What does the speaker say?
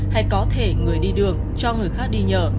hay có thể người đi đường cho người khác đi nhờ